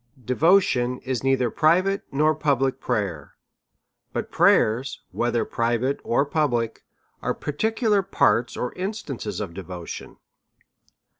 xJevotion is neither private nor public prayer ; but pmyers^ whether private or public^ are particular parts or instances of devotion.